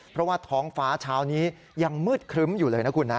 เพราะว่าท้องฟ้าเช้านี้ยังมืดครึ้มอยู่เลยนะคุณนะ